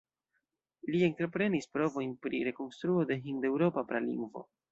Li entreprenis provojn pri rekonstruo de hindeŭropa pralingvo.